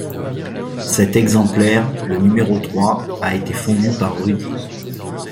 Cet exemplaire, le numéro trois, a été fondu par Rudier.